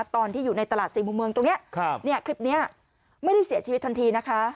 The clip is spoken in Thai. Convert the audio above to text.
ตอนที่อยู่ในตลาดสี่มุมเมืองตรงนี้คลิปนี้ไม่ได้เสียชีวิตทันทีนะคะ